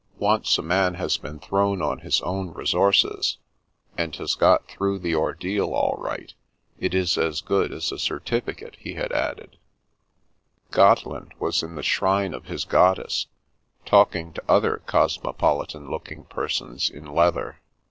" Once a man has been thrown on his own resources, and has got through the ordeal all right, it is as good as a certificate," he had added. Gotteland was in the shrine of his goddess, talking Pots, Kettles, and Other Things 45 to other cosmopolitan looking persons in leather.